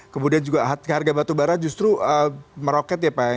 kemudian juga harga batubara justru meroket ya pak ya